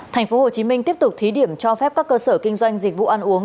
thành phố hồ chí minh tiếp tục thí điểm cho phép các cơ sở kinh doanh dịch vụ ăn uống